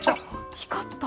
光った。